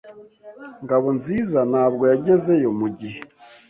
Ngabonziza ntabwo yagezeyo mugihe.